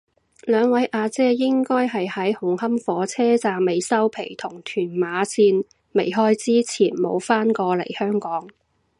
兩位阿姐應該係喺紅磡火車站未收皮同屯馬綫未開之前冇返過嚟香港